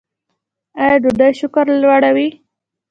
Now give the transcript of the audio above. ایا ډوډۍ شکر لوړوي؟